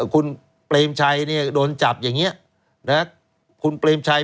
คุณเปรมชัยโดนจับอย่างนี้คุณเปรมชัย